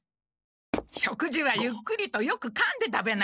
食事はゆっくりとよくかんで食べなきゃ。